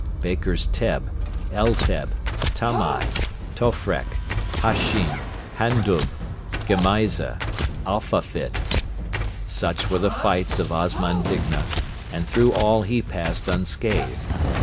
Baker's Teb, El Teb, Tamai, Tofrek, Hashin, Handub, Gemaiza, Afafit such were the fights of Osman Digna, and through all he passed unscathed.